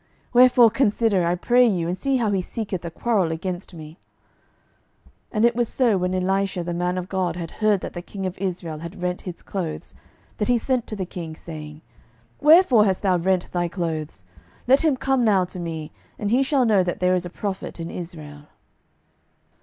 wherefore consider, I pray you, and see how he seeketh a quarrel against me. 12:005:008 And it was so, when Elisha the man of God had heard that the king of Israel had rent his clothes, that he sent to the king, saying, Wherefore hast thou rent thy clothes? let him come now to me, and he shall know that there is a prophet in Israel.